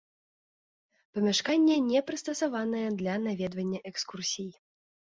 Памяшканне не прыстасаванае для наведвання экскурсій.